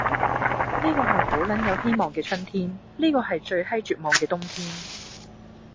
呢個係好撚有希望嘅春天，呢個係最閪絕望嘅冬天，